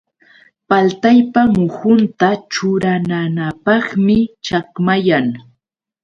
Paltaypa muhunta churananapqmi chakmayan.